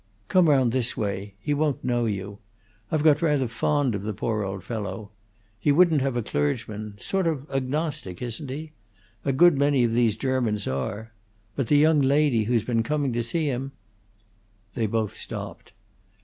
"Come round this way he won't know you! I've got rather fond of the poor old fellow. He wouldn't have a clergyman sort of agnostic, isn't he? A good many of these Germans are but the young lady who's been coming to see him " They both stopped.